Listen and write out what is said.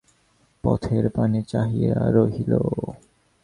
পথের পানে চাহিয়া রহিল।